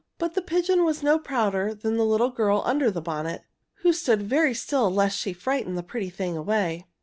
But the pigeon was no prouder than the little girl under the bonnet, who stood very still lest she frighten the pretty thing away.